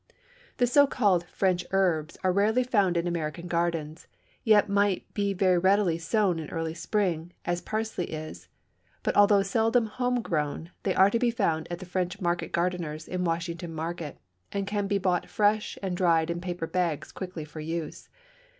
The so called "French herbs" are rarely found in American gardens, yet might be very readily sown in early spring, as parsley is; but although seldom home grown, they are to be found at the French market gardener's in Washington Market, and can be bought fresh and dried in paper bags quickly for use.